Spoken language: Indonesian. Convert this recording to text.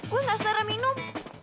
gue gak sedara minum